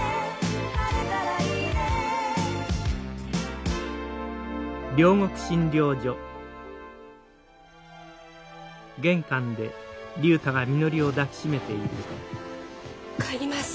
「晴れたらいいね」帰ります。